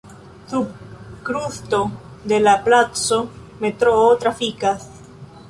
Sub krusto de la placo metroo trafikas.